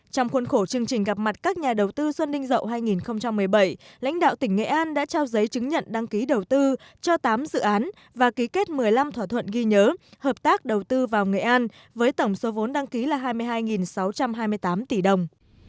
trong khuôn khổ chương trình gặp mặt các nhà đầu tư xuân ninh dậu hai nghìn một mươi bảy lãnh đạo tỉnh nghệ an đã trao giấy chứng nhận đăng ký đầu tư cho tám dự án và ký kết một mươi năm thỏa thuận ghi nhớ hợp tác đầu tư vào nghệ an với tổng số vốn đăng ký là hai mươi hai sáu trăm hai mươi tám tỷ đồng